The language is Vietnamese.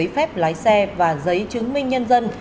phép lái xe và giấy chứng minh nhân dân